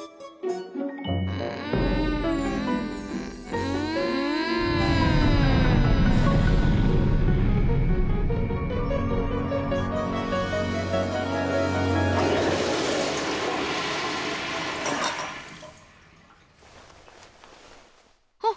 うん。はっ！